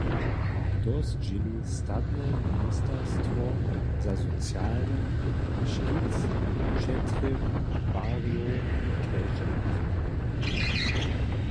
To zdźěli statne ministerstwo za socialne a škit přetrjebarjow w Drježdźanach.